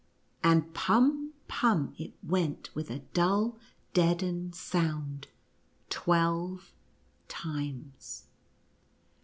And pum — pum, it went with a dull deadened sound twelve times.